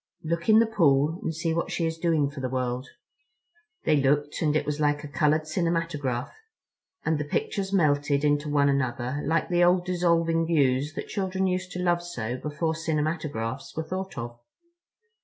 Look in the pool and see what she is doing for the world." They looked, and it was like a colored cinematograph; and the pictures melted into one another like the old dissolving views that children used to love so before cinematographs were thought of.